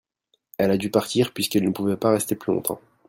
elle a du partir puisqu'elle ne pouvait pas rester plus longtemps.